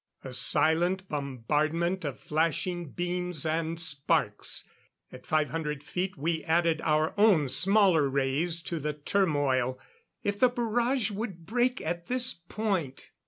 A silent bombardment of flashing beams and sparks. At five hundred feet we added our own smaller rays to the turmoil. If the barrage would break at this point....